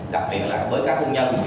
đặc biệt là với các công nhân trước mắt